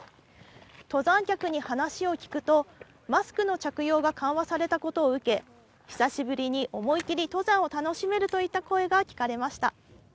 登山客に話を聞くと、マスクの着用が緩和されたことを受け、久しぶりに思い切り登山を楽しめるといった声が聞かれました。